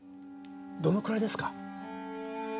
どのくらいですか？